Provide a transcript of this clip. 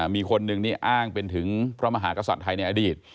มีคนนึงนี่อ้างเป็นถึงพระมหากษัตริย์ไทยในอดีต